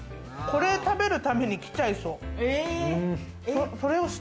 これ食べるために来ちゃいそう。